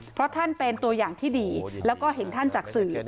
เพราะท่านเป็นตัวอย่างที่ดีแล้วก็เห็นท่านจากสื่อ